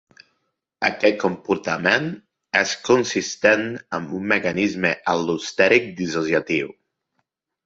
Aquest comportament és consistent amb un mecanisme al·lostèric dissociatiu.